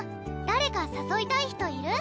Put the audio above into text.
誰かさそいたい人いる？